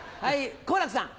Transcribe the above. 好楽さん。